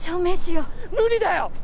無理だよ！